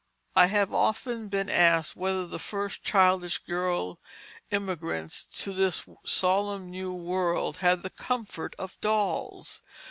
[Illustration: An Old Doll] I have often been asked whether the first childish girl emigrants to this solemn new world had the comfort of dolls.